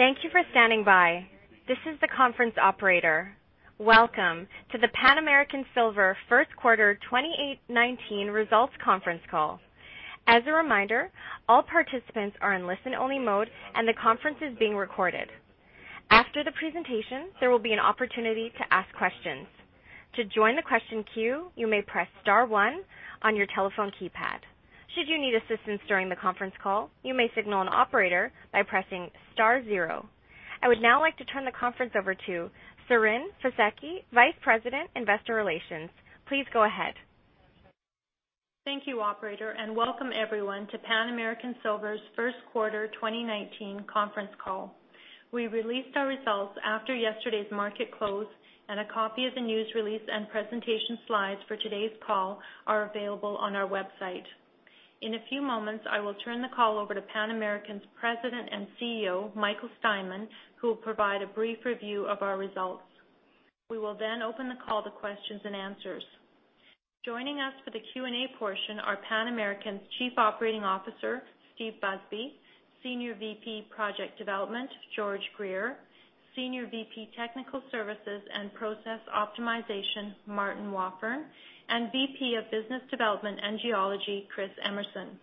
Thank you for standing by. This is the conference operator. Welcome to the Pan American Silver first quarter 2019 results conference call. As a reminder, all participants are in listen-only mode, and the conference is being recorded. After the presentation, there will be an opportunity to ask questions. To join the question queue, you may press star one on your telephone keypad. Should you need assistance during the conference call, you may signal an operator by pressing star zero. I would now like to turn the conference over to Siren Fisekci, Vice President, Investor Relations. Please go ahead. Thank you, Operator, and welcome everyone to Pan American Silver's first quarter 2019 conference call. We released our results after yesterday's market close, and a copy of the news release and presentation slides for today's call are available on our website. In a few moments, I will turn the call over to Pan American's President and CEO, Michael Steinmann, who will provide a brief review of our results. We will then open the call to questions and answers. Joining us for the Q&A portion are Pan American's Chief Operating Officer, Steve Busby, Senior VP Project Development, George Greer, Senior VP Technical Services and Process Optimization, Martin Wafforn, and VP of Business Development and Geology, Chris Emerson.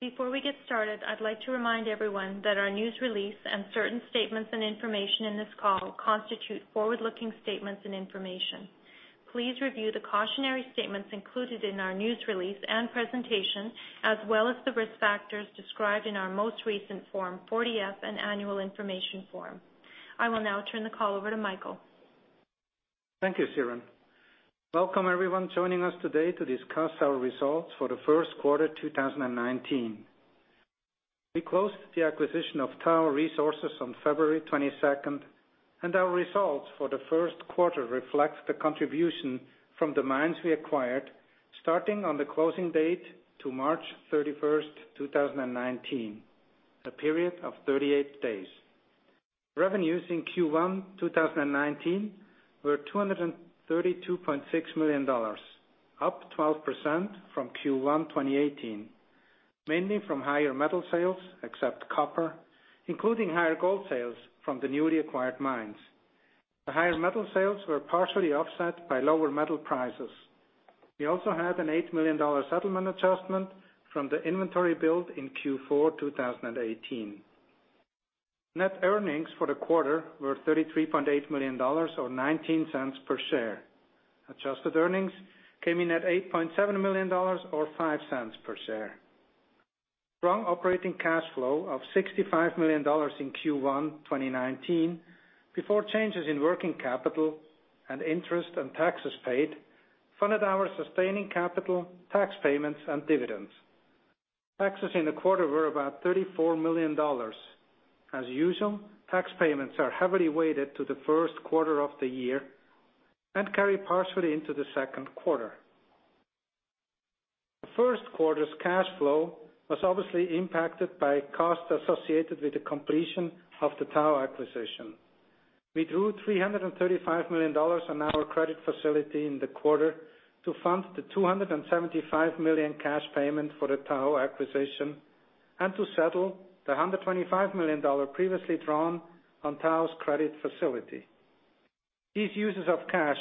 Before we get started, I'd like to remind everyone that our news release and certain statements and information in this call constitute forward-looking statements and information. Please review the cautionary statements included in our news release and presentation, as well as the risk factors described in our most recent Form 40-F, an annual information form. I will now turn the call over to Michael. Thank you, Siren. Welcome everyone joining us today to discuss our results for the first quarter 2019. We closed the acquisition of Tahoe Resources on February 22nd, and our results for the first quarter reflect the contribution from the mines we acquired starting on the closing date to March 31st, 2019, a period of 38 days. Revenues in Q1 2019 were $232.6 million, up 12% from Q1 2018, mainly from higher metal sales except copper, including higher gold sales from the newly acquired mines. The higher metal sales were partially offset by lower metal prices. We also had an $8 million settlement adjustment from the inventory build in Q4 2018. Net earnings for the quarter were $33.8 million or $0.19 per share. Adjusted earnings came in at $8.7 million or $0.05 per share. Strong operating cash flow of $65 million in Q1 2019, before changes in working capital and interest and taxes paid, funded our sustaining capital, tax payments, and dividends. Taxes in the quarter were about $34 million. As usual, tax payments are heavily weighted to the first quarter of the year and carry partially into the second quarter. The first quarter's cash flow was obviously impacted by costs associated with the completion of the Tahoe acquisition. We drew $335 million on our credit facility in the quarter to fund the $275 million cash payment for the Tahoe acquisition and to settle the $125 million previously drawn on Tahoe's credit facility. These uses of cash,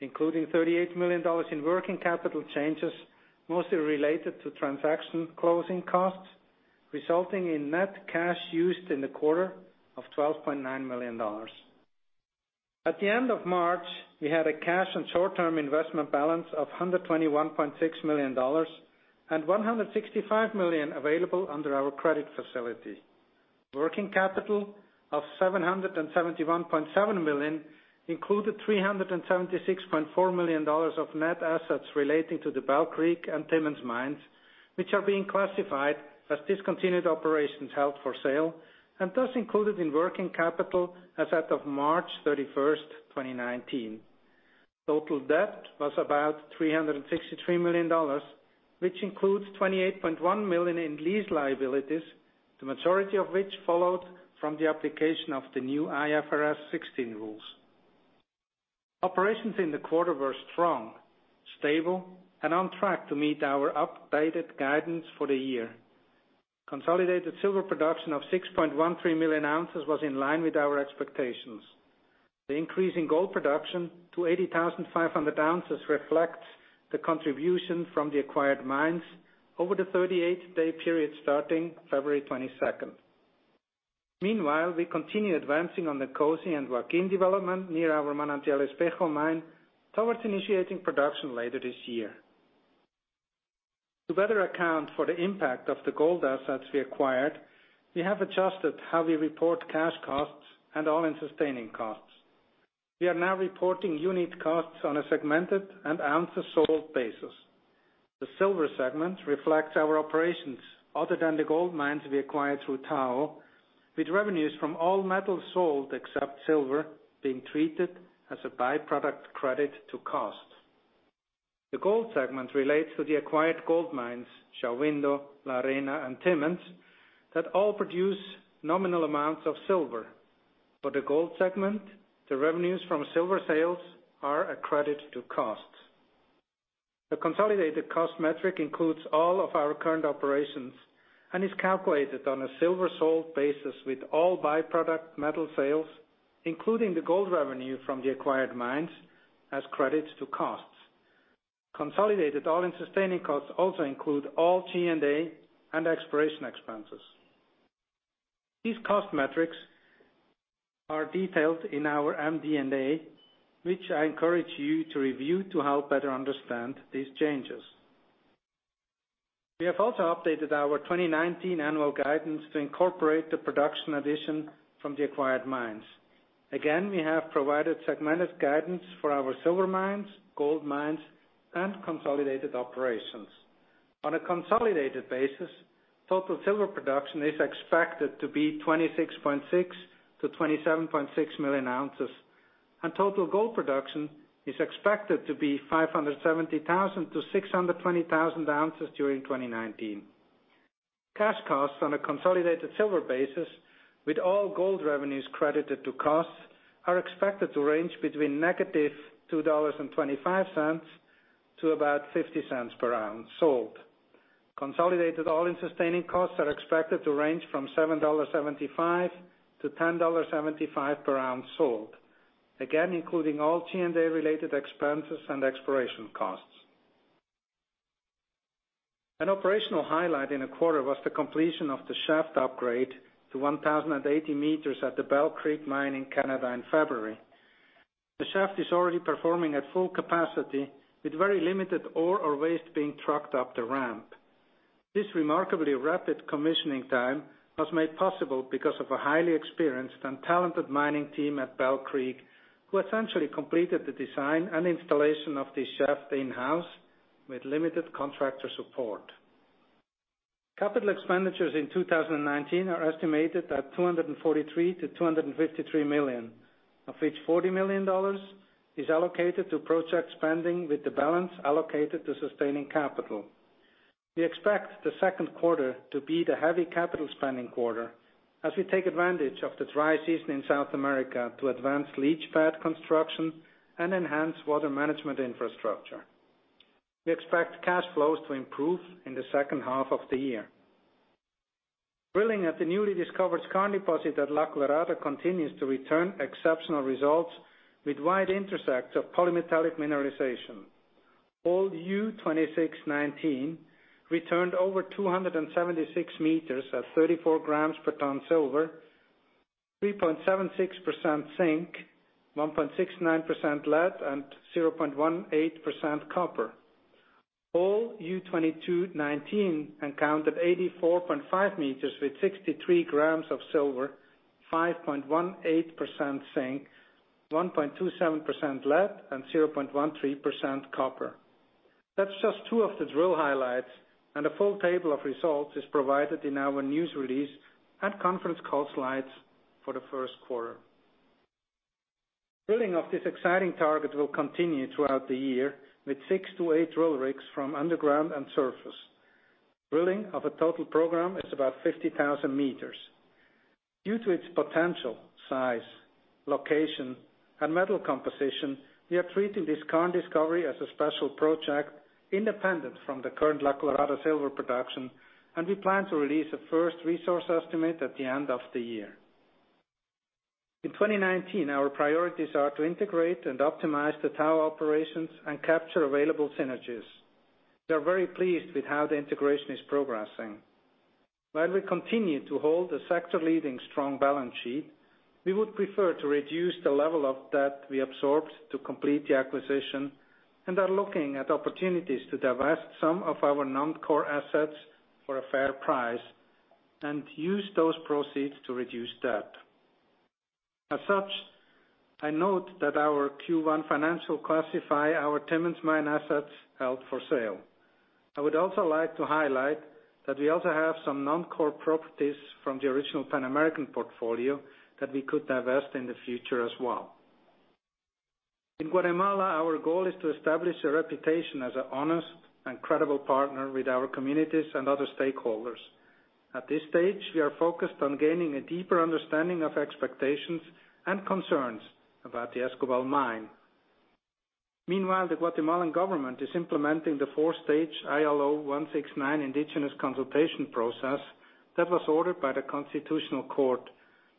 including $38 million in working capital changes, mostly related to transaction closing costs, resulting in net cash used in the quarter of $12.9 million. At the end of March, we had a cash and short-term investment balance of $121.6 million and $165 million available under our credit facility. Working capital of $771.7 million included $376.4 million of net assets relating to the Bell Creek and Timmins mines, which are being classified as discontinued operations held for sale and thus included in working capital as of March 31st, 2019. Total debt was about $363 million, which includes $28.1 million in lease liabilities, the majority of which followed from the application of the new IFRS 16 rules. Operations in the quarter were strong, stable, and on track to meet our updated guidance for the year. Consolidated silver production of 6.13 million oz was in line with our expectations. The increase in gold production to 80,500 oz reflects the contribution from the acquired mines over the 38-day period starting February 22nd. Meanwhile, we continue advancing on the COSE and Joaquin development near our Manantial Espejo mine towards initiating production later this year. To better account for the impact of the gold assets we acquired, we have adjusted how we report cash costs and all-in sustaining costs. We are now reporting unit costs on a segmented and ounces-sold basis. The Silver Segment reflects our operations other than the gold mines we acquired through Tahoe, with revenues from all metals sold except silver being treated as a byproduct credit to cost. The Gold Segment relates to the acquired gold mines, Shahuindo, La Arena, and Timmins, that all produce nominal amounts of silver. For the Gold Segment, the revenues from silver sales are a credit to costs. The consolidated cost metric includes all of our current operations and is calculated on a silver-sold basis with all byproduct metal sales, including the gold revenue from the acquired mines, as credits to costs. Consolidated All-in Sustaining Costs also include all G&A and exploration expenses. These cost metrics are detailed in our MD&A, which I encourage you to review to help better understand these changes. We have also updated our 2019 annual guidance to incorporate the production addition from the acquired mines. Again, we have provided segmented guidance for our silver mines, gold mines, and consolidated operations. On a consolidated basis, total silver production is expected to be 26.6 million oz-27.6 million oz, and total gold production is expected to be 570,000 oz-620,000 oz during 2019. Cash costs on a consolidated silver basis, with all gold revenues credited to costs, are expected to range between -$2.25 to about $0.50 per ounce sold. Consolidated all-in sustaining costs are expected to range from $7.75-$10.75 per ounce sold, again including all G&A-related expenses and exploration costs. An operational highlight in the quarter was the completion of the shaft upgrade to 1,080 m at the Bell Creek Mine in Canada in February. The shaft is already performing at full capacity, with very limited ore or waste being trucked up the ramp. This remarkably rapid commissioning time was made possible because of a highly experienced and talented mining team at Bell Creek, who essentially completed the design and installation of the shaft in-house with limited contractor support. Capital expenditures in 2019 are estimated at $243 million-$253 million, of which $40 million is allocated to project spending, with the balance allocated to sustaining capital. We expect the second quarter to be the heavy capital spending quarter, as we take advantage of the dry season in South America to advance leach pad construction and enhance water management infrastructure. We expect cash flows to improve in the second half of the year. Drilling at the newly discovered skarn deposit at La Colorada continues to return exceptional results with wide intersects of polymetallic mineralization. Hole U-26-19 returned over 276 m at 34 g per ton silver, 3.76% zinc, 1.69% lead, and 0.18% copper. Hole U-22-19 encountered 84.5 m with 63 g of silver, 5.18% zinc, 1.27% lead, and 0.13% copper. That's just two of the drill highlights, and a full table of results is provided in our news release and conference call slides for the first quarter. Drilling of this exciting target will continue throughout the year, with six to eight drill rigs from underground and surface. Drilling of a total program is about 50,000 m. Due to its potential, size, location, and metal composition, we are treating this skarn discovery as a special project independent from the current La Colorada silver production, and we plan to release a first resource estimate at the end of the year. In 2019, our priorities are to integrate and optimize the Tahoe operations and capture available synergies. We are very pleased with how the integration is progressing. While we continue to hold a sector-leading strong balance sheet, we would prefer to reduce the level of debt we absorbed to complete the acquisition and are looking at opportunities to divest some of our non-core assets for a fair price and use those proceeds to reduce debt. As such, I note that in our Q1 financials we classify our Timmins mine assets as held for sale. I would also like to highlight that we also have some non-core properties from the original Pan American portfolio that we could divest in the future as well. In Guatemala, our goal is to establish a reputation as an honest and credible partner with our communities and other stakeholders. At this stage, we are focused on gaining a deeper understanding of expectations and concerns about the Escobal mine. Meanwhile, the Guatemalan government is implementing the four-stage ILO 169 indigenous consultation process that was ordered by the Constitutional Court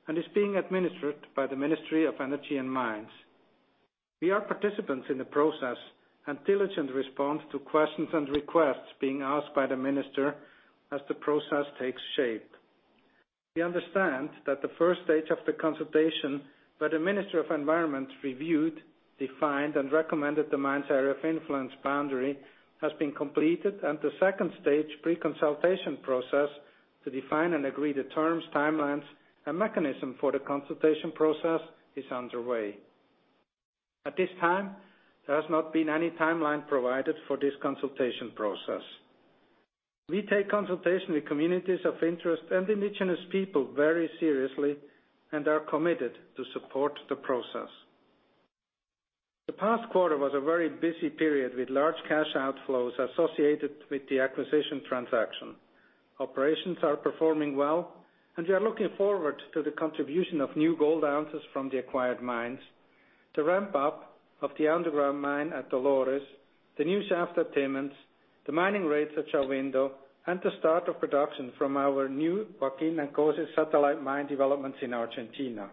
and is being administered by the Ministry of Energy and Mines. We are participants in the process and diligently respond to questions and requests being asked by the minister as the process takes shape. We understand that the first stage of the consultation by the Minister of Environment reviewed, defined, and recommended the mines' area of influence boundary has been completed, and the second stage pre-consultation process to define and agree the terms, timelines, and mechanism for the consultation process is underway. At this time, there has not been any timeline provided for this consultation process. We take consultation with communities of interest and indigenous people very seriously and are committed to support the process. The past quarter was a very busy period with large cash outflows associated with the acquisition transaction. Operations are performing well, and we are looking forward to the contribution of new gold ounces from the acquired mines, the ramp-up of the underground mine at Dolores, the new shaft at Timmins, the mining rigs at Shahuindo, and the start of production from our new Joaquin and COSE satellite mine developments in Argentina.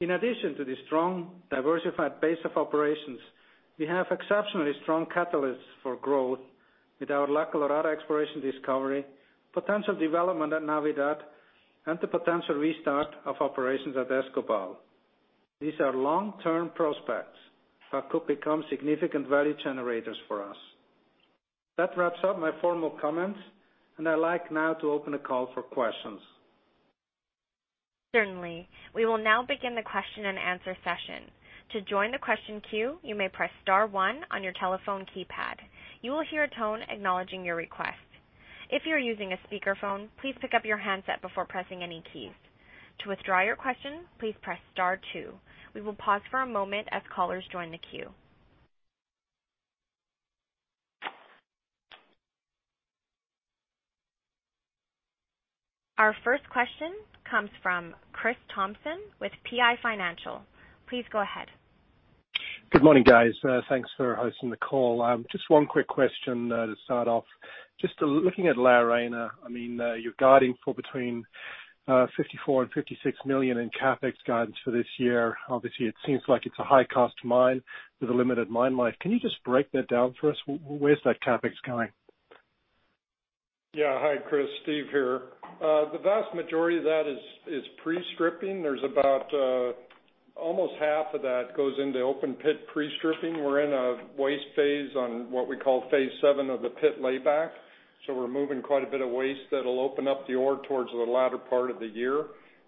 In addition to the strong, diversified base of operations, we have exceptionally strong catalysts for growth with our La Colorada exploration discovery, potential development at Navidad, and the potential restart of operations at Escobal. These are long-term prospects that could become significant value generators for us. That wraps up my formal comments, and I'd like now to open a call for questions. Certainly. We will now begin the question-and-answer session. To join the question queue, you may press star one on your telephone keypad. You will hear a tone acknowledging your request. If you're using a speakerphone, please pick up your handset before pressing any keys. To withdraw your question, please press star two. We will pause for a moment as callers join the queue. Our first question comes from Chris Thompson with PI Financial. Please go ahead. Good morning, guys. Thanks for hosting the call. Just one quick question to start off. Just looking at La Arena, I mean, you're guiding for between $54 million and $56 million in CapEx guidance for this year. Obviously, it seems like it's a high-cost mine with a limited mine life. Can you just break that down for us? Where's that CapEx going? Yeah. Hi, Chris. Steve here. The vast majority of that is pre-stripping. There's about almost half of that goes into open-pit pre-stripping. We're in a waste phase on what we call phase seven of the pit layback, so we're moving quite a bit of waste that'll open up the ore towards the latter part of the year,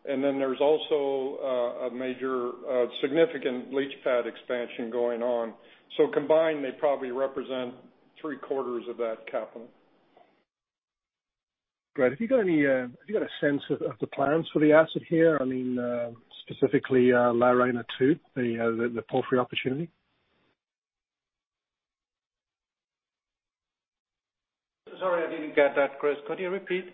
and then there's also a major significant leach pad expansion going on. So combined, they probably represent three-quarters of that capital. Great. Have you got any sense of the plans for the asset here, I mean, specifically La Arena II, the porphyry opportunity? Sorry, I didn't get that, Chris. Could you repeat?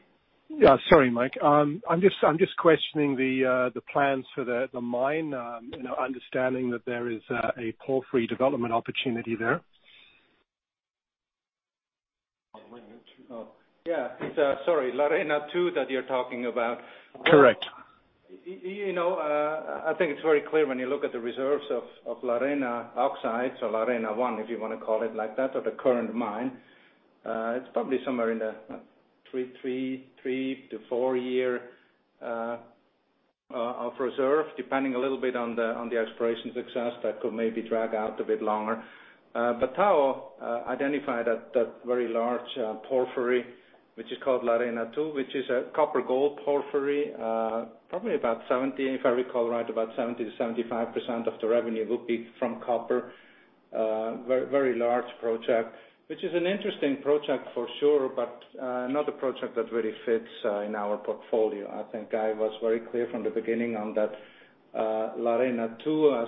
Yeah. Sorry, Mike. I'm just questioning the plans for the mine, understanding that there is a porphyry development opportunity there. Oh, wait a minute. Oh, yeah. Sorry. La Arena II that you're talking about. Correct. I think it's very clear when you look at the reserves of La Arena oxide, so La Arena I, if you want to call it like that, or the current mine. It's probably somewhere in the three- to four-year reserve, depending a little bit on the exploration success that could maybe drag out a bit longer. But Tahoe identified that very large porphyry, which is called La Arena II, which is a copper-gold porphyry. Probably about 70, if I recall right, about 70%-75% of the revenue would be from copper. Very large project, which is an interesting project for sure, but not a project that really fits in our portfolio. I think I was very clear from the beginning on that La Arena II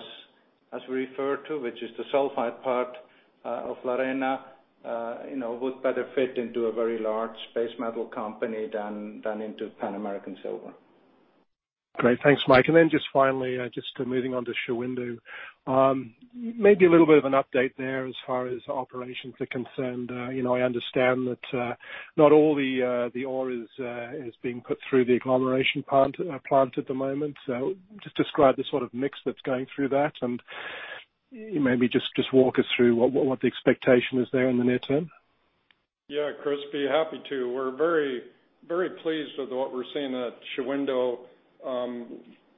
as we refer to, which is the sulphide part of La Arena, would better fit into a very large base metal company than into Pan American Silver. Great. Thanks, Mike. And then just finally, just moving on to Shahuindo, maybe a little bit of an update there as far as operations are concerned. I understand that not all the ore is being put through the agglomeration plant at the moment. So just describe the sort of mix that's going through that, and maybe just walk us through what the expectation is there in the near term. Yeah, Chris, be happy to. We're very pleased with what we're seeing at Shahuindo,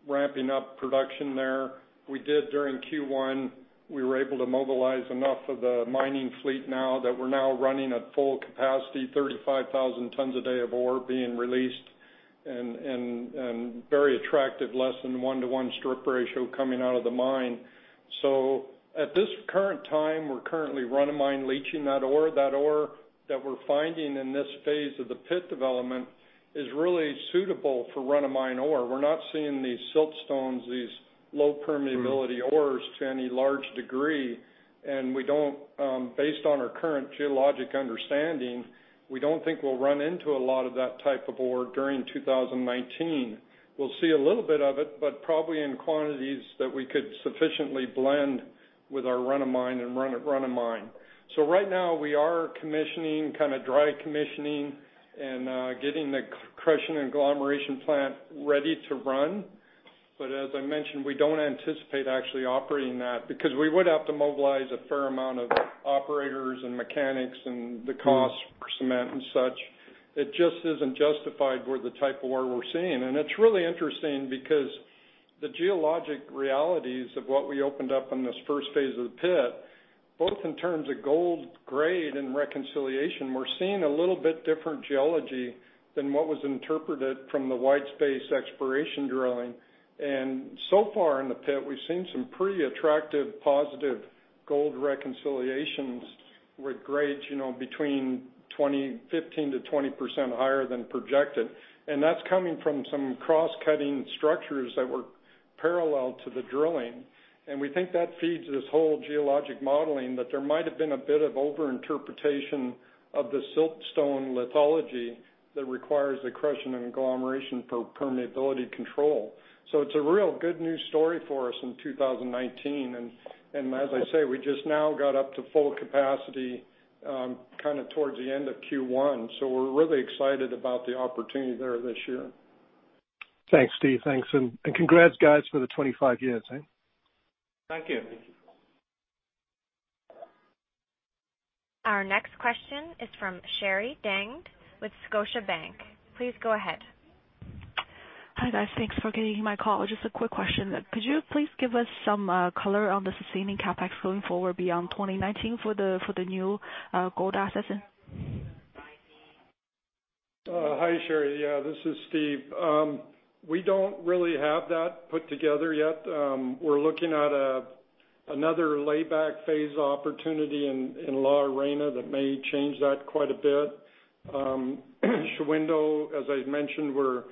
ramping up production there. We did during Q1. We were able to mobilize enough of the mining fleet now that we're running at full capacity, 35,000 tons a day of ore being released, and very attractive, less than one-to-one strip ratio coming out of the mine. So at this current time, we're currently run-of-mine leaching that ore. That ore that we're finding in this phase of the pit development is really suitable for run-of-mine ore. We're not seeing these siltstones, these low permeability ores to any large degree, and based on our current geologic understanding, we don't think we'll run into a lot of that type of ore during 2019. We'll see a little bit of it, but probably in quantities that we could sufficiently blend with our run-of-mine. So right now, we are commissioning, kind of dry commissioning, and getting the crushing and agglomeration plant ready to run. But as I mentioned, we don't anticipate actually operating that because we would have to mobilize a fair amount of operators and mechanics and the costs for cement and such. It just isn't justified for the type of ore we're seeing. And it's really interesting because the geologic realities of what we opened up in this first phase of the pit, both in terms of gold grade and reconciliation, we're seeing a little bit different geology than what was interpreted from the white space exploration drilling. And so far in the pit, we've seen some pretty attractive, positive gold reconciliations with grades between 15%-20% higher than projected. And that's coming from some cross-cutting structures that were parallel to the drilling. And we think that feeds this whole geologic modeling that there might have been a bit of over-interpretation of the siltstone lithology that requires the crushing and agglomeration for permeability control. So it's a real good news story for us in 2019. And as I say, we just now got up to full capacity kind of towards the end of Q1. So we're really excited about the opportunity there this year. Thanks, Steve. Thanks. And congrats, guys, for the 25 years. Thank you. Our next question is from Sherry Chin with Scotiabank. Please go ahead. Hi, guys. Thanks for getting my call. Just a quick question. Could you please give us some color on the sustaining CapEx going forward beyond 2019 for the new gold assets? Hi, Sherry. Yeah, this is Steve. We don't really have that put together yet. We're looking at another layback phase opportunity in La Arena that may change that quite a bit. Shahuindo, as I mentioned, we're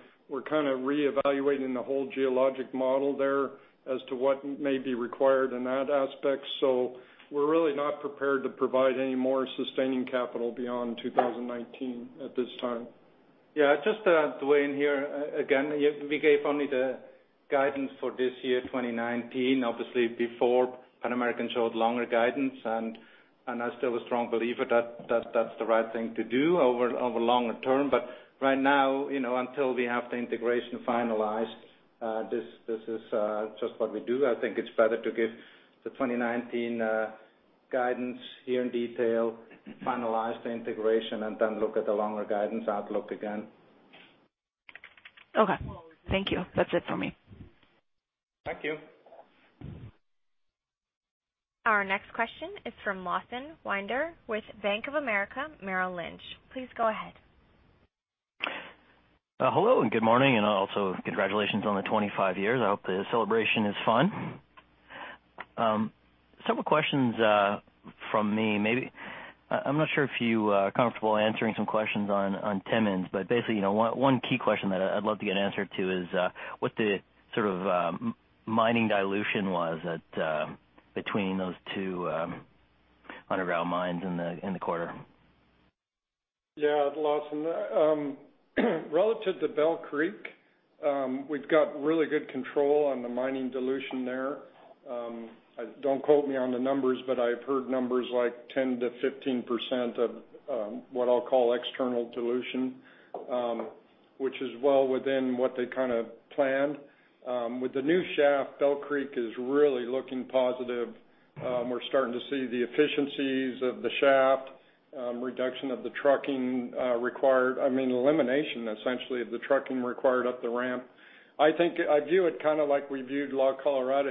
kind of reevaluating the whole geologic model there as to what may be required in that aspect. So we're really not prepared to provide any more sustaining capital beyond 2019 at this time. Yeah. Just to weigh in here, again, we gave only the guidance for this year, 2019. Obviously, before Pan American showed longer guidance, and I still am a strong believer that that's the right thing to do over longer term. But right now, until we have the integration finalized, this is just what we do. I think it's better to give the 2019 guidance here in detail, finalize the integration, and then look at the longer guidance outlook again. Okay. Thank you. That's it for me. Thank you. Our next question is from Lawson Winder with Bank of America Merrill Lynch. Please go ahead. Hello and good morning, and also congratulations on the 25 years. I hope the celebration is fun. Several questions from me. I'm not sure if you are comfortable answering some questions on Timmins, but basically, one key question that I'd love to get an answer to is what the sort of mining dilution was between those two underground mines in the quarter. Yeah, Lawson. Relative to Bell Creek, we've got really good control on the mining dilution there. Don't quote me on the numbers, but I've heard numbers like 10%-15% of what I'll call external dilution, which is well within what they kind of planned. With the new shaft, Bell Creek is really looking positive. We're starting to see the efficiencies of the shaft, reduction of the trucking required, I mean, elimination essentially of the trucking required up the ramp. I view it kind of like we viewed La Colorada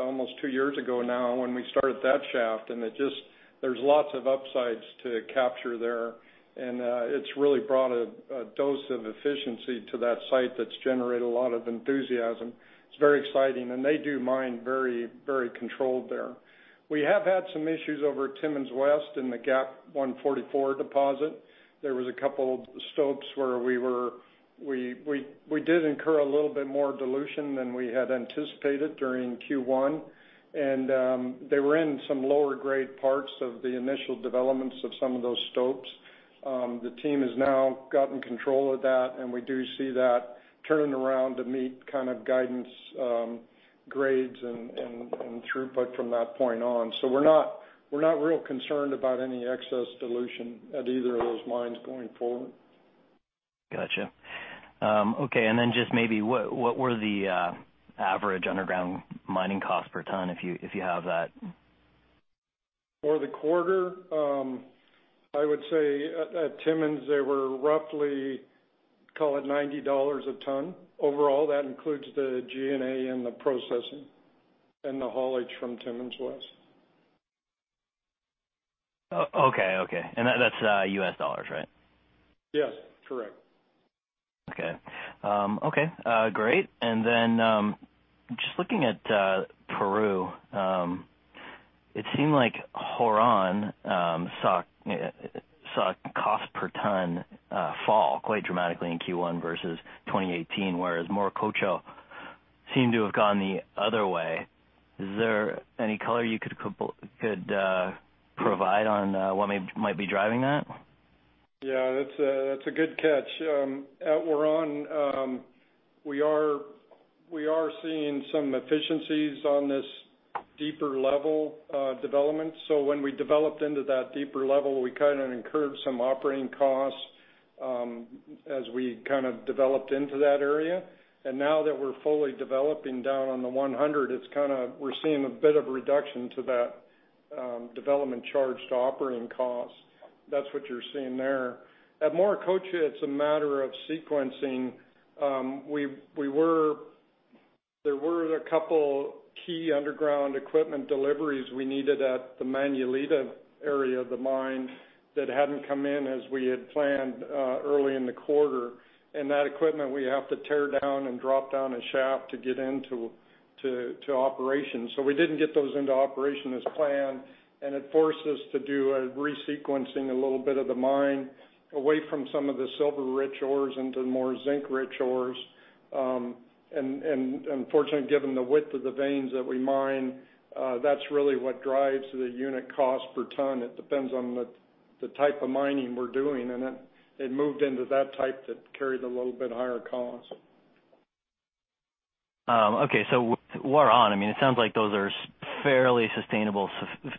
almost two years ago now when we started that shaft, and there's lots of upsides to capture there, and it's really brought a dose of efficiency to that site that's generated a lot of enthusiasm. It's very exciting, and they do mine very, very controlled there. We have had some issues over Timmins West in the Gap 144 deposit. There was a couple of stopes where we did incur a little bit more dilution than we had anticipated during Q1, and they were in some lower-grade parts of the initial developments of some of those stopes. The team has now gotten control of that, and we do see that turning around to meet kind of guidance grades and throughput from that point on. So we're not real concerned about any excess dilution at either of those mines going forward. Gotcha. Okay. And then just maybe what were the average underground mining costs per ton, if you have that? For the quarter, I would say at Timmins, they were roughly, call it $90 a ton. Overall, that includes the GNA and the processing and the haulage from Timmins West. Okay. Okay. And that's U.S. dollars, right? Yes. Correct. Okay. Okay. Great. And then just looking at Peru, it seemed like Huaron saw cost per ton fall quite dramatically in Q1 versus 2018, whereas Morococha seemed to have gone the other way. Is there any color you could provide on what might be driving that? Yeah. That's a good catch. At Huaron, we are seeing some efficiencies on this deeper level development. So when we developed into that deeper level, we kind of incurred some operating costs as we kind of developed into that area. And now that we're fully developing down on the 100, it's kind of we're seeing a bit of reduction to that development charged operating cost. That's what you're seeing there. At Morococha, it's a matter of sequencing. There were a couple key underground equipment deliveries we needed at the Manuelita area of the mine that hadn't come in as we had planned early in the quarter. And that equipment, we have to tear down and drop down a shaft to get into operation. So we didn't get those into operation as planned, and it forced us to do a re-sequencing a little bit of the mine away from some of the silver-rich ores into more zinc-rich ores. And unfortunately, given the width of the veins that we mine, that's really what drives the unit cost per ton. It depends on the type of mining we're doing, and it moved into that type that carried a little bit higher cost. Okay. So Huaron, I mean, it sounds like those are fairly sustainable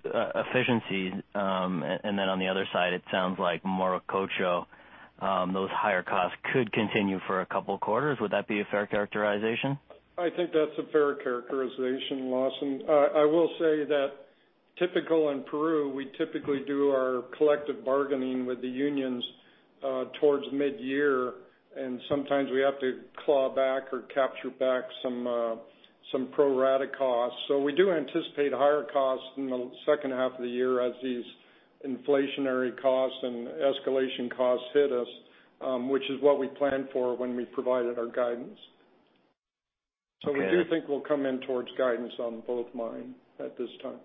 efficiencies. And then on the other side, it sounds like Morococha, those higher costs could continue for a couple quarters. Would that be a fair characterization? I think that's a fair characterization, Lawson. I will say that typical in Peru, we typically do our collective bargaining with the unions towards mid-year, and sometimes we have to claw back or capture back some pro-rata costs. So we do anticipate higher costs in the second half of the year as these inflationary costs and escalation costs hit us, which is what we planned for when we provided our guidance. So we do think we'll come in towards guidance on both mines at this time.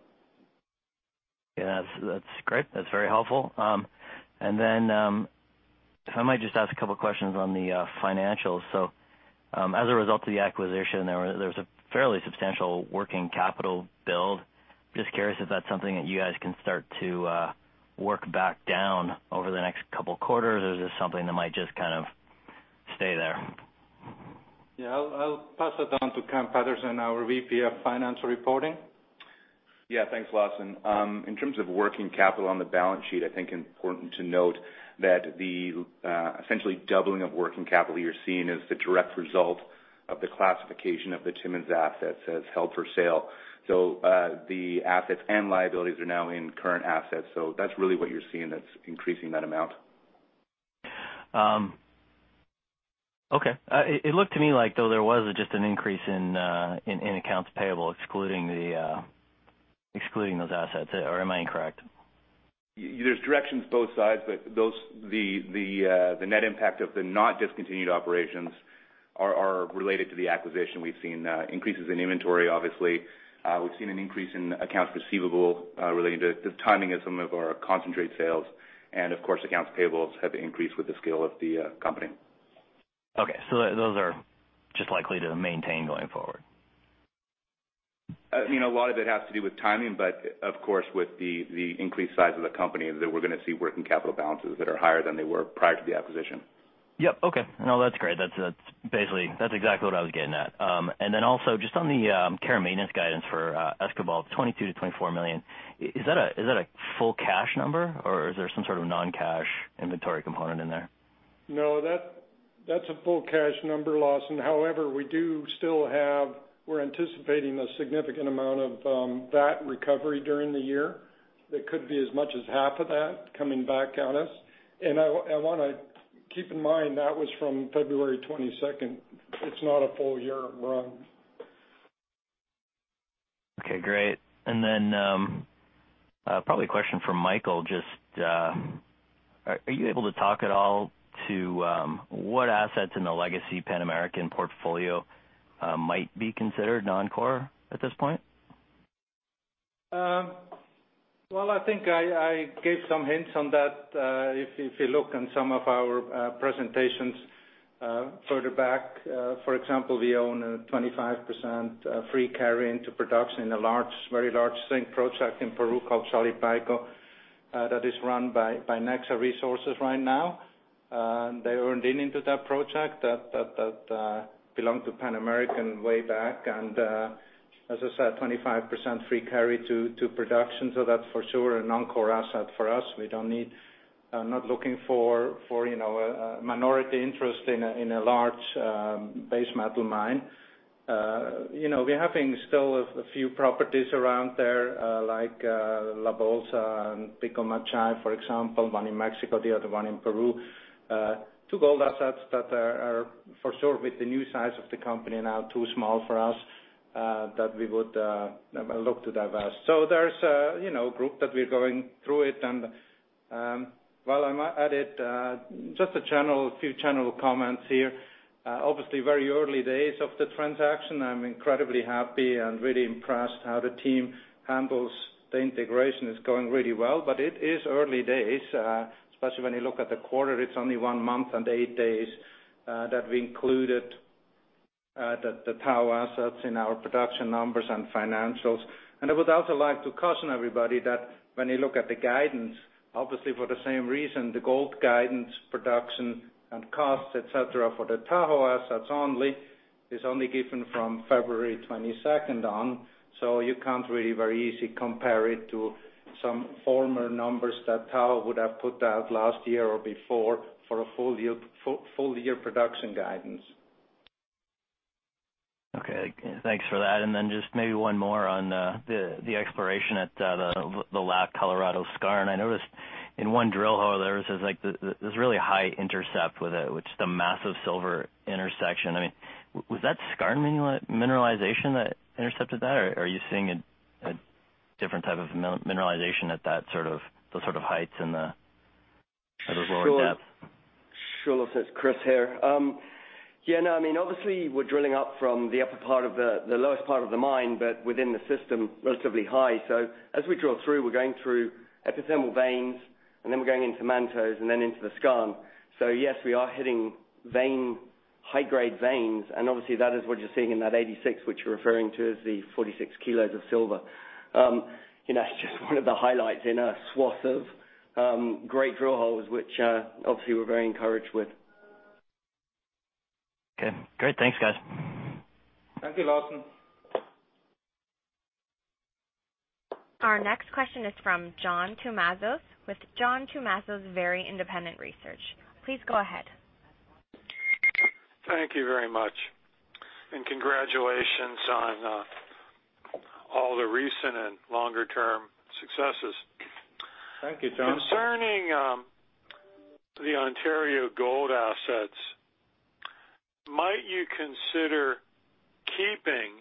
Yeah. That's great. That's very helpful. Then if I might just ask a couple questions on the financials. So as a result of the acquisition, there was a fairly substantial working capital build. Just curious if that's something that you guys can start to work back down over the next couple quarters, or is this something that might just kind of stay there? Yeah. I'll pass it down to Cam Patterson, our VP of Financial Reporting. Yeah. Thanks, Lawson. In terms of working capital on the balance sheet, I think it's important to note that the essentially doubling of working capital you're seeing is the direct result of the classification of the Timmins assets as held for sale. So the assets and liabilities are now in current assets. So that's really what you're seeing that's increasing that amount. Okay. It looked to me like though there was just an increase in accounts payable excluding those assets. Or am I incorrect? There are increases on both sides, but the net impact of the non-discontinued operations are related to the acquisition. We've seen increases in inventory, obviously. We've seen an increase in accounts receivable related to the timing of some of our concentrate sales. And of course, accounts payables have increased with the scale of the company. Okay. So those are just likely to maintain going forward? I mean, a lot of it has to do with timing, but of course, with the increased size of the company, that we're going to see working capital balances that are higher than they were prior to the acquisition. Yep. Okay. No, that's great. That's exactly what I was getting at. And then also, just on the care and maintenance guidance for Escobal, $22 million-$24 million, is that a full cash number, or is there some sort of non-cash inventory component in there? No, that's a full cash number, Lawson. However, we do still have. We're anticipating a significant amount of VAT recovery during the year. That could be as much as half of that coming back at us. And I want to keep in mind that was from February 22nd. It's not a full year run. Okay. Great. And then probably a question for Michael. Just are you able to talk at all to what assets in the legacy Pan American portfolio might be considered non-core at this point? Well, I think I gave some hints on that if you look on some of our presentations further back. For example, we own a 25% free carry into production in a very large zinc project in Peru called Shalipayco that is run by Nexa Resources right now. They earned in into that project that belonged to Pan American way back. And as I said, 25% free carry to production. So that's for sure a non-core asset for us. We don't need not looking for a minority interest in a large base metal mine. We're having still a few properties around there like La Bolsa and Pico Machay, for example, one in Mexico, the other one in Peru. Two gold assets that are for sure with the new size of the company now too small for us that we would look to divest. So there's a group that we're going through it. And while I'm at it, just a few general comments here. Obviously, very early days of the transaction. I'm incredibly happy and really impressed how the team handles the integration. It's going really well, but it is early days, especially when you look at the quarter. It's only one month and eight days that we included the Tahoe assets in our production numbers and financials. And I would also like to caution everybody that when you look at the guidance, obviously for the same reason, the gold guidance production and costs, etc., for the Tahoe assets only is only given from February 22nd on. So you can't really very easily compare it to some former numbers that Tahoe would have put out last year or before for a full-year production guidance. Okay. Thanks for that. And then just maybe one more on the exploration at the La Colorada skarn. I noticed in one drill, however, there was this really high intercept with it, which is the massive silver intersection. I mean, was that skarn mineralization that intercepted that, or are you seeing a different type of mineralization at those sort of heights and those lower depths? Sure. Lawson. It's Chris here. Yeah. No, I mean, obviously, we're drilling up from the upper part of the lowest part of the mine, but within the system, relatively high. So as we drill through, we're going through epithermal veins, and then we're going into mantos and then into the skarn. So yes, we are hitting high-grade veins, and obviously, that is what you're seeing in that 86, which you're referring to as the 46 kilos of silver. It's just one of the highlights in a swath of great drill holes, which obviously we're very encouraged with. Okay. Great. Thanks, guys. Thank you, Lawson. Our next question is from John Tumazos with John Tumazos Very Independent Research. Please go ahead. Thank you very much. And congratulations on all the recent and longer-term successes. Thank you, John. Concerning the Ontario gold assets, might you consider keeping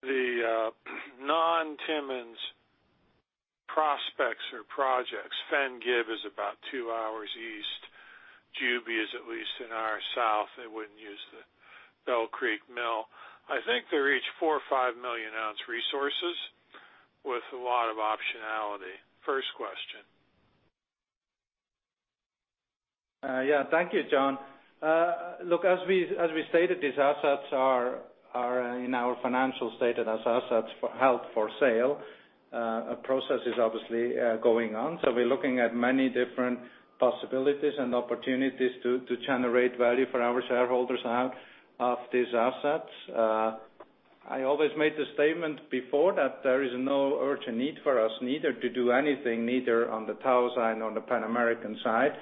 the non-Timmins prospects or projects? Fenn-Gib is about two hours east. Juby is at least in our south. They wouldn't use the Bell Creek Mill. I think they're each four or five million ounce resources with a lot of optionality. First question. Yeah. Thank you, John. Look, as we stated, these assets are in our financial statements and as assets held for sale. A process is obviously going on. So we're looking at many different possibilities and opportunities to generate value for our shareholders out of these assets. I always made the statement before that there is no urgent need for us neither to do anything, neither on the Tahoe side nor the Pan American side.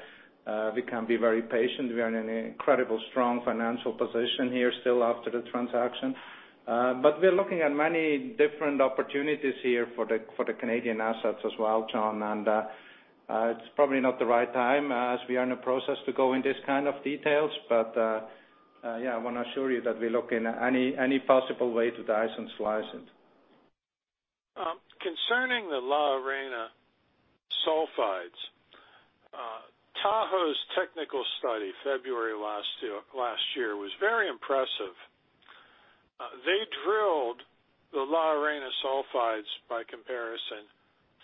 We can be very patient. We are in an incredibly strong financial position here still after the transaction. But we're looking at many different opportunities here for the Canadian assets as well, John. And it's probably not the right time as we are in the process to go into this kind of details. But yeah, I want to assure you that we're looking at any possible way to dice and slice it. Concerning the La Arena sulphides, Tahoe's technical study February last year was very impressive. They drilled the La Arena sulphides by comparison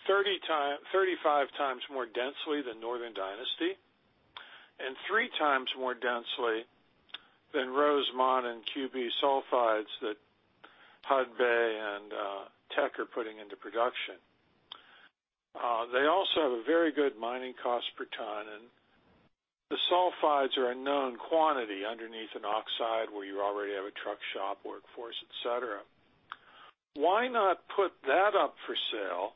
35x more densely than Northern Dynasty and 3x more densely than Rosemont and QB sulfides that Hudbay and Teck are putting into production. They also have a very good mining cost per ton, and the sulphides are a known quantity underneath an oxide where you already have a truck shop workforce, etc. Why not put that up for sale?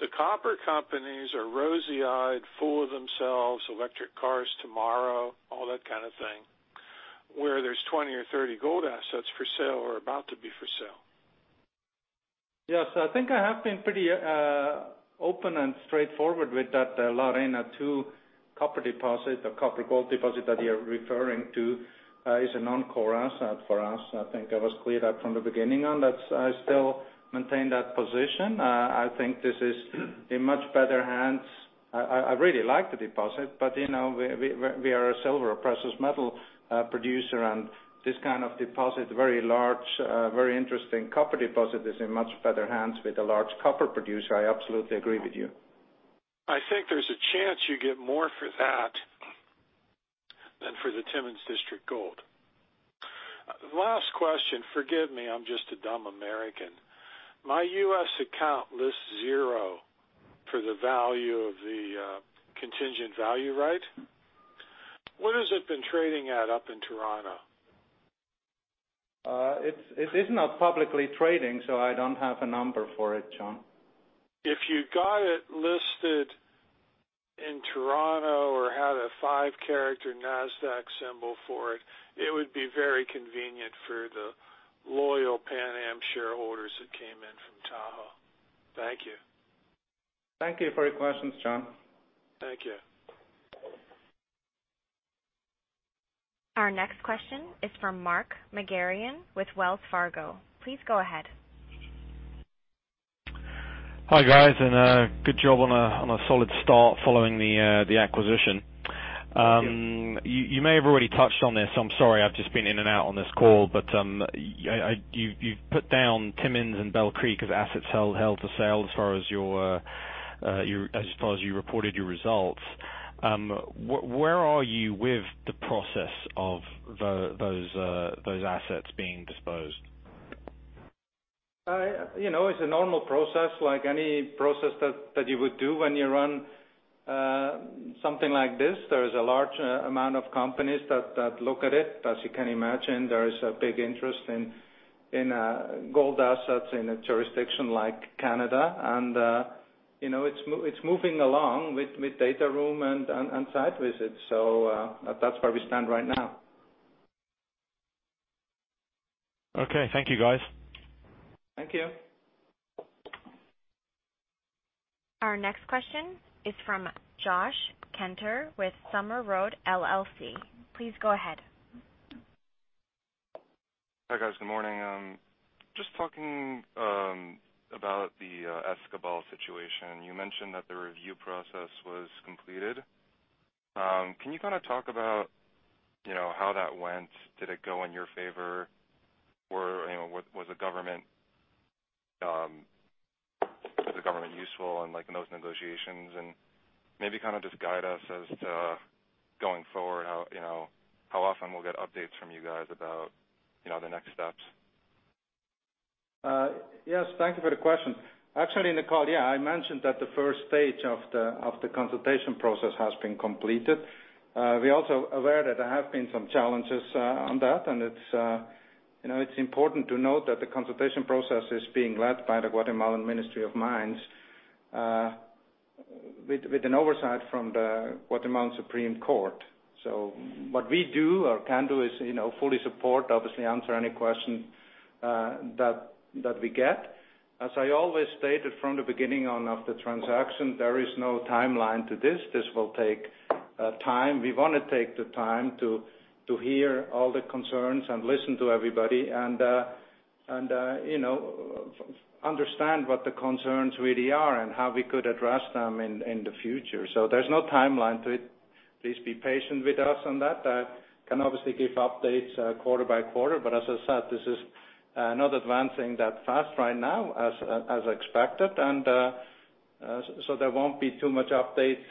The copper companies are rosy-eyed, full of themselves, electric cars tomorrow, all that kind of thing, where there's 20 or 30 gold assets for sale or about to be for sale. Yes. I think I have been pretty open and straightforward with that La Arena II copper deposit, the copper gold deposit that you're referring to, is a non-core asset for us. I think I was clear that from the beginning on that I still maintain that position. I think this is in much better hands. I really like the deposit, but we are a silver precious metal producer, and this kind of deposit, very large, very interesting copper deposit, is in much better hands with a large copper producer. I absolutely agree with you. I think there's a chance you get more for that than for the Timmins District gold. Last question. Forgive me. I'm just a dumb American. My U.S. account lists zero for the value of the contingent value right. What has it been trading at up in Toronto? It is not publicly trading, so I don't have a number for it, John. If you got it listed in Toronto or had a five-character Nasdaq symbol for it, it would be very convenient for the loyal Pan Am shareholders that came in from Tahoe. Thank you. Thank you for your questions, John. Thank you. Our next question is from [Mike Mageryan] with Wells Fargo. Please go ahead. Hi, guys, and good job on a solid start following the acquisition. You may have already touched on this, so I'm sorry. I've just been in and out on this call, but you've put down Timmins and Bell Creek as assets held for sale as far as you reported your results. Where are you with the process of those assets being disposed? It's a normal process like any process that you would do when you run something like this. There is a large amount of companies that look at it. As you can imagine, there is a big interest in gold assets in a jurisdiction like Canada. And it's moving along with data room and site visits. So that's where we stand right now. Okay. Thank you, guys. Thank you. Our next question is from Josh Kenter with Summer Road, LLC. Please go ahead. Hi, guys. Good morning. Just talking about the Escobal situation, you mentioned that the review process was completed. Can you kind of talk about how that went? Did it go in your favor? Was the government useful in those negotiations? And maybe kind of just guide us as to going forward, how often we'll get updates from you guys about the next steps. Yes. Thank you for the question. Actually, in the call, yeah, I mentioned that the first stage of the consultation process has been completed. We are also aware that there have been some challenges on that, and it's important to note that the consultation process is being led by the Guatemalan Ministry of Mines with an oversight from the Guatemalan Supreme Court. So what we do or can do is fully support, obviously answer any question that we get. As I always stated from the beginning of the transaction, there is no timeline to this. This will take time. We want to take the time to hear all the concerns and listen to everybody and understand what the concerns really are and how we could address them in the future. So there's no timeline to it. Please be patient with us on that. I can obviously give updates quarter by quarter, but as I said, this is not advancing that fast right now as expected. So there won't be too much updates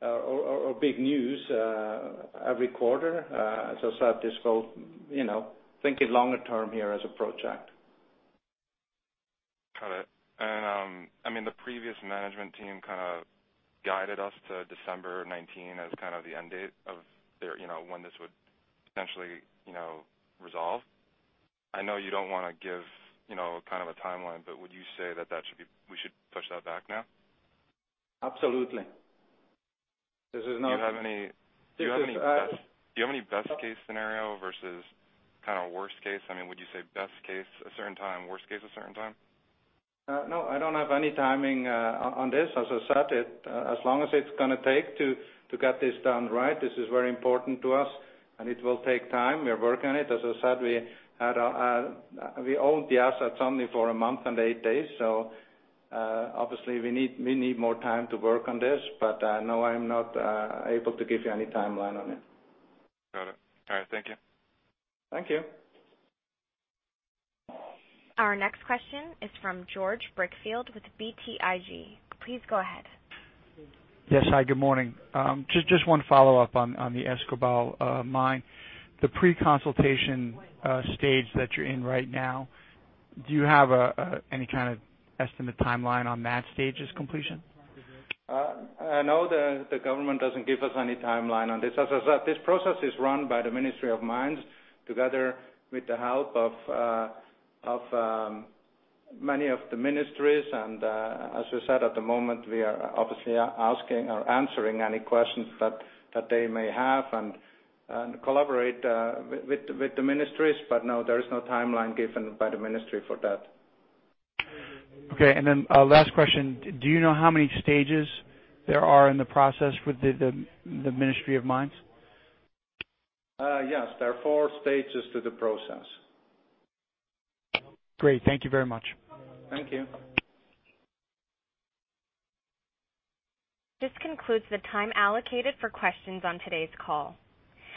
or big news every quarter. As I said, this whole thinking longer term here as a project. Got it. And I mean, the previous management team kind of guided us to December 19 as kind of the end date of when this would potentially resolve. I know you don't want to give kind of a timeline, but would you say that we should push that back now? Absolutely. This is not. Do you have any best case scenario versus kind of worst case? I mean, would you say best case a certain time, worst case a certain time? No, I don't have any timing on this. As I said, as long as it's going to take to get this done right, this is very important to us, and it will take time. We're working on it. As I said, we owned the asset something for a month and eight days. So obviously, we need more time to work on this, but no, I'm not able to give you any timeline on it. Got it. All right. Thank you. Thank you. Our next question is from George Brickfield with BTIG. Please go ahead. Yes. Hi. Good morning. Just one follow-up on the Escobal Mine. The pre-consultation stage that you're in right now, do you have any kind of estimate timeline on that stage's completion? No, the government doesn't give us any timeline on this. As I said, this process is run by the Ministry of Mines together with the help of many of the ministries. And as I said, at the moment, we are obviously asking or answering any questions that they may have and collaborate with the ministries. But no, there is no timeline given by the ministry for that. Okay. And then last question. Do you know how many stages there are in the process with the Ministry of Mines? Yes. There are four stages to the process. Great. Thank you very much. Thank you. This concludes the time allocated for questions on today's call.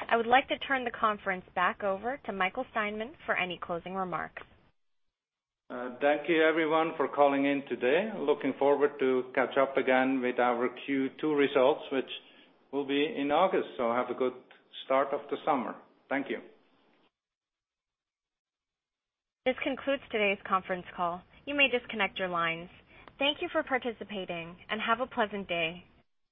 I would like to turn the conference back over to Michael Steinmann for any closing remarks. Thank you, everyone, for calling in today. Looking forward to catch up again with our Q2 results, which will be in August. So have a good start of the summer. Thank you. This concludes today's conference call. You may disconnect your lines. Thank you for participating and have a pleasant day.